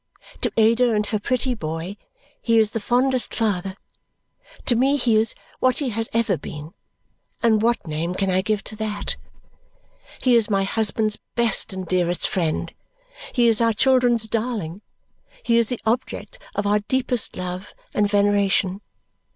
To Ada and her pretty boy, he is the fondest father; to me he is what he has ever been, and what name can I give to that? He is my husband's best and dearest friend, he is our children's darling, he is the object of our deepest love and veneration.